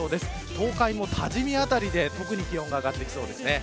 東海も多治見辺りで気温が上がりそうです。